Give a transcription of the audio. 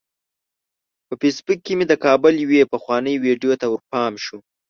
په فیسبوک کې مې د کابل یوې پخوانۍ ویډیو ته ورپام شو.